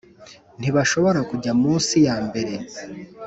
ntibashobora kujya mu nsi ya mbere